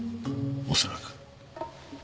おそらく。